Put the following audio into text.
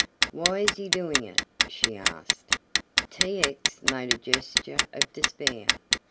"Why is he doing it!" she asked. T. X. made a gesture of despair.